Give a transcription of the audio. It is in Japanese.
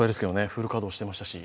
フル稼働してましたし。